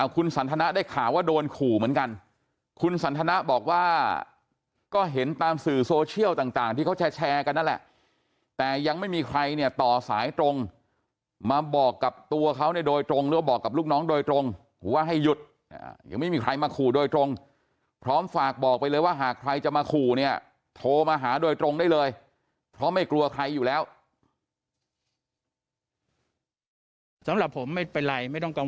คุณสันทนาได้ข่าวว่าโดนขู่เหมือนกันคุณสันทนะบอกว่าก็เห็นตามสื่อโซเชียลต่างที่เขาแชร์กันนั่นแหละแต่ยังไม่มีใครเนี่ยต่อสายตรงมาบอกกับตัวเขาเนี่ยโดยตรงหรือว่าบอกกับลูกน้องโดยตรงว่าให้หยุดยังไม่มีใครมาขู่โดยตรงพร้อมฝากบอกไปเลยว่าหากใครจะมาขู่เนี่ยโทรมาหาโดยตรงได้เลยเพราะไม่กลัวใครอยู่แล้วสำหรับผมไม่เป็นไรไม่ต้องกำ